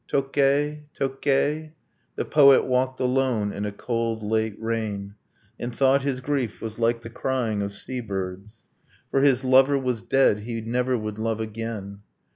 Tokkei Tokkei The poet walked alone in a cold late rain, And thought his grief was like the crying of sea birds; For his lover was dead, he never would love again.